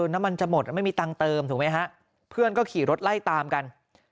น้ำมันจะหมดไม่มีตังค์เติมถูกไหมฮะเพื่อนก็ขี่รถไล่ตามกัน